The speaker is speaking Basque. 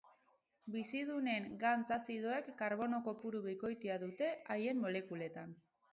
Bizidunen gantz azidoek karbono kopuru bikoitia dute haien molekuletan.